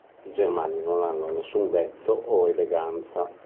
I Germani non hanno nessun vezzo o eleganza.